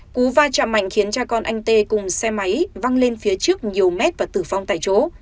cú va chạm mạnh khiến cha con anh tê cùng xe máy văng lên phía trước nhiều mét và tử vong tại chỗ